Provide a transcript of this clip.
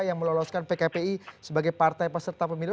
yang meloloskan pkpi sebagai partai peserta pemilu